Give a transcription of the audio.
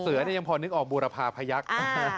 เสื้อนี่ยังพอนึกออกบูรพาพยักษ์